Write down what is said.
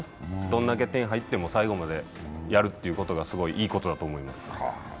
どれだけ点入っても最後までやることはすごいいいことだと思います。